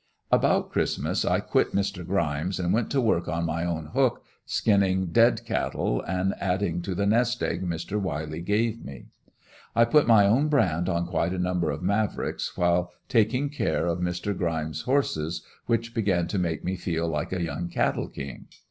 About Christmas I quit Mr. Grimes and went to work on my own hook, skinning "dead" cattle and adding to the nest egg Mr. Wiley gave me. I put my own brand on quite a number of Mavricks while taking care of Mr. Grimes' horses, which began to make me feel like a young cattle king.